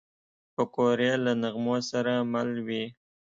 پکورې له نغمو سره مل وي